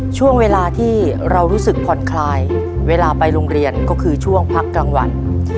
ช่วงเวลาที่เรารู้สึกผ่อนคลายเวลาไปโรงเรียนก็คือช่วงพักกลางวัน